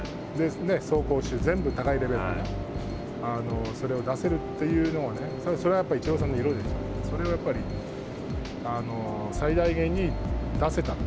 走攻守、全部高いレベルでそれを出せるというのはそれはやっぱりイチローさんの、それはやっぱり最大限に出せたと。